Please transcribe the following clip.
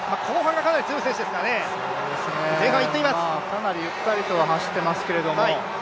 かなりゆったりとは走っていますけれども。